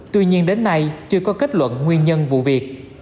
tuy nhiên đến nay chưa có kết luận nguyên nhân vụ việc